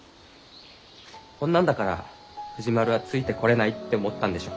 こんなんだから藤丸はついてこれないって思ったんでしょう。